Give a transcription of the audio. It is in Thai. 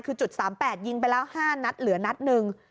คือจุดสามแปดยิงไปแล้วห้านนัดเหลือนัดหนึ่ง